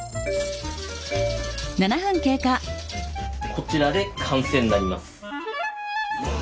こちらで完成になります。